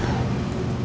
aku udah selesai